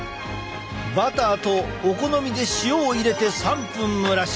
バターとお好みで塩を入れて３分蒸らし。